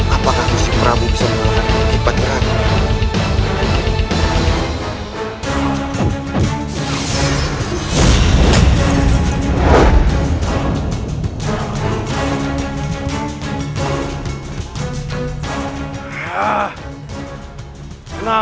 apakah aku si prabu bisa menerangkan patiraga